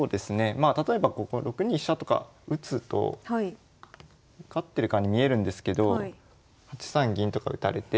まあ例えば６二飛車とか打つと受かってるかに見えるんですけど８三銀とか打たれて。